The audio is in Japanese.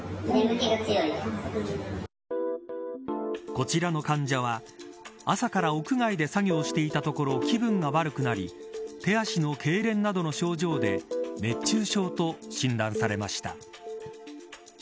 こちらの患者は朝から屋外で作業していたところ気分が悪くなり手足のけいれんなどの症状で熱中症と診断されました。